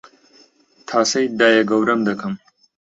تاسەی دایەگەورەم دەکەم